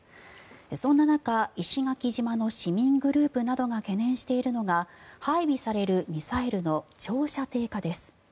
そんな中石垣島の市民グループなどが懸念しているのが配備されるミサイルの長射程化です。